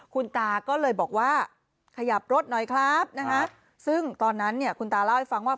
คุณตาก็เลยบอกว่าขยับรถหน่อยครับนะฮะซึ่งตอนนั้นเนี่ยคุณตาเล่าให้ฟังว่า